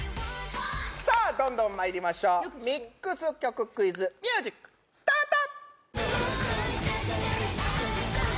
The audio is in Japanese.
さあどんどんまいりましょうミックス曲クイズミュージックスタート！